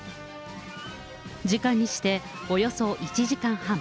時間にしておよそ１時間半。